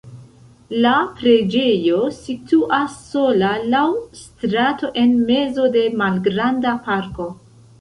La preĝejo situas sola laŭ strato en mezo de malgranda parko.